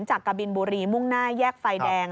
กะบินบุรีมุ่งหน้าแยกไฟแดง